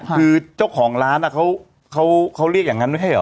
คือเจ้าของร้านเขาเรียกอย่างนั้นไม่ใช่เหรอ